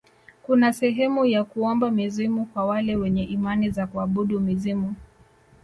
kuna sehemu ya kuomba mizimu kwa wale wenye imani za kuabudu mizimu